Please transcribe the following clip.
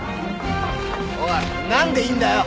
おい何でいんだよ。